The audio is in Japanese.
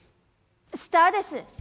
スターです。